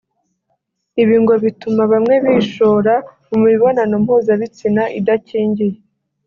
Ibi ngo bituma bamwe bishora mu mibonano mpuzabitsina idakingiye